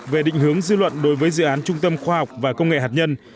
về định hướng dư luận đối với dự án trung tâm khoa học và công nghệ hạt nhân